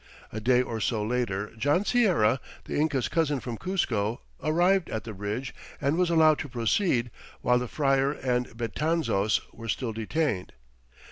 A day or so later John Sierra, the Inca's cousin from Cuzco, arrived at the bridge and was allowed to proceed, while the friar and Betanzos were still detained.